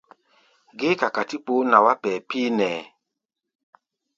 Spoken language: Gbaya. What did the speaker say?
Géé kakatí kpoo nɛ wá pɛɛ píínɛ́ʼɛ!